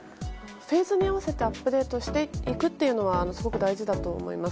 フェーズに合わせてアップデートしていくのはすごく大事だと思います。